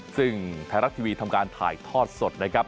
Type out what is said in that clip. ซึ่งไทยรัฐทีวีทำการถ่ายทอดสดนะครับ